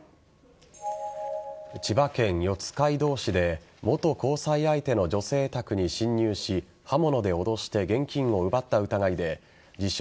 千葉県四街道市で元交際相手の女性宅に侵入し刃物で脅して現金を奪った疑いで自称